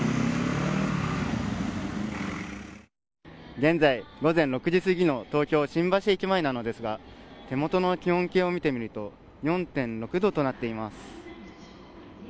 現在午前６時すぎの東京、新橋駅前なのですが手元の気温計を見てみると４．６度となっています。